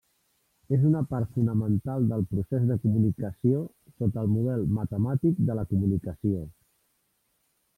És una part fonamental del procés de comunicació sota el model matemàtic de la comunicació.